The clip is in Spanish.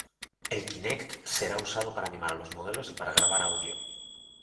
El Kinect será usado para animar a los modelos y para grabar audio.